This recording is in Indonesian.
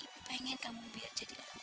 ibu pengen kamu biar jadi anak